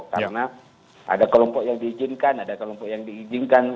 karena ada kelompok yang diizinkan ada kelompok yang diizinkan